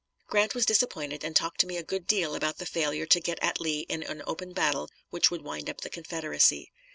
Grant was disappointed, and talked to me a good deal about the failure to get at Lee in an open battle which would wind up the Confederacy.